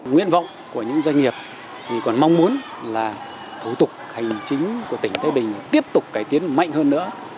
nguyện vọng của những doanh nghiệp thì còn mong muốn là thủ tục hành chính của tỉnh tây bình tiếp tục cải tiến mạnh hơn nữa